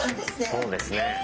そうですねはい。